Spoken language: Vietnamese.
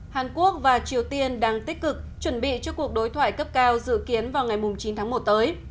hàn quốc và triều tiên đang tích cực chuẩn bị cho cuộc đối thoại cấp cao dự kiến vào ngày chín tháng một tới